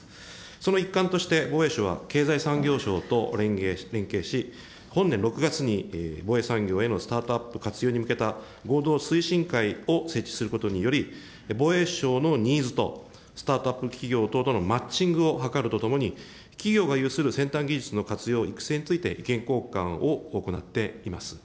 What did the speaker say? その一環として、防衛省は経済産業省と連携し、本年６月に防衛産業へのスタートアップ活用に向けた合同推進会を設置することにより、防衛省のニーズと、スタートアップ企業等とのマッチングを図るとともに、企業が有する先端技術の活用、育成について、意見交換を行っています。